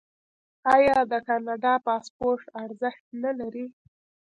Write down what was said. آیا د کاناډا پاسپورت ارزښت نلري؟